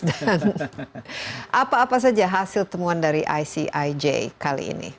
dan apa apa saja hasil temuan dari icij kali ini